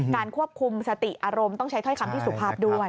การควบคุมสติอารมณ์ต้องใช้ความที่สุภาพด้วย